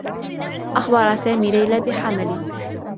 أخبر سامي ليلى بحملي.